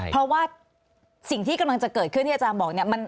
เพราะว่าสิ่งที่กำลังจะเกิดขึ้นที่อาจารย์บอกเนี่ย